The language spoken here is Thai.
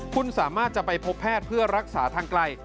คุณสามารถจะไปพบแพทย์เพื่อรักษาทางไกล